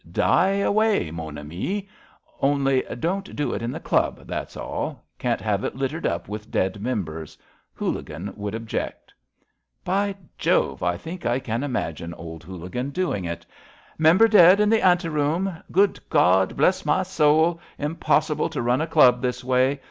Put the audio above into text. Die away, mon ami. Only don't do it in the Club, that's all. Can't have it littered up with dead members. Houligan would object." By Jove 1 I think I can imagine old Houligan doing it. * Member dead in the ante room? Good GudI Bless my soul! Impossible to run a Club this way.